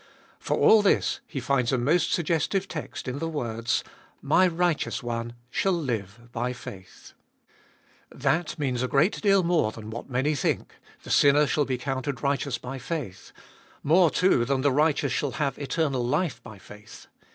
For all this he finds a most suggestive text in the words : My righteous one shall live by faith. Gbe iboltest of ail 419 That means a great deal more than what many think — the sinner shall be counted righteous by faith ; more, too, than the righteous shall have eternal life by faith.